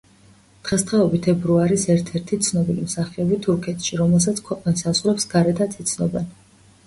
დღესდღეობით ებრუ არის ერთ-ერთი ცნობილი მსახიობი თურქეთში, რომელსაც ქვეყნის საზღვრებს გარეთაც იცნობენ.